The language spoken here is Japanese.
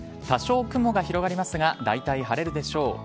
多少雲が広がりますがだいたい晴れるでしょう。